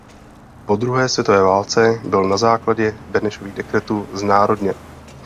Po druhé světové válce byl na základě Benešových dekretů znárodněn.